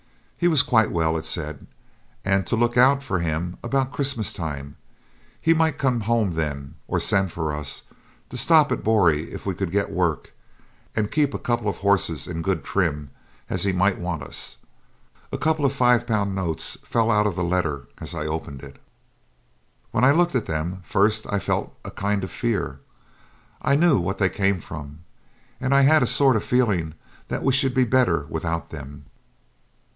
He was quite well, it said; and to look out for him about Christmas time; he might come home then, or send for us; to stop at Boree if we could get work, and keep a couple of horses in good trim, as he might want us. A couple of five pound notes fell out of the letter as I opened it. When I looked at them first I felt a kind of fear. I knew what they came from. And I had a sort of feeling that we should be better without them.